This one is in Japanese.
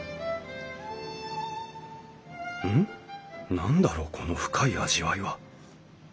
何だろうこの深い味わいは。